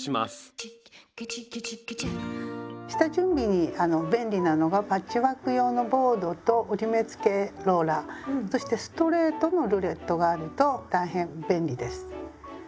下準備に便利なのがパッチワーク用のボードと折り目つけローラーそしてストレートのルレットがあると大変便利です。